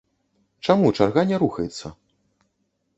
Чаму чарга не рухаецца?